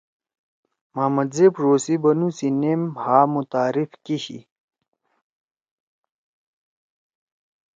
محمد زیب ڙو سی بنُو سی نیم ہآ متعارف کیِشی۔